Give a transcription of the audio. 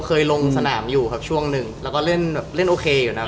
เคยลงสนามอยู่ครับช่วงหนึ่งแล้วก็เล่นโอเคอยู่นะครับ